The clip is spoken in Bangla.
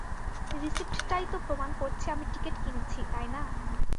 রিসিপ্টটাই তো প্রমাণ করছে আমি টিকেট কিনেছি, তাই না?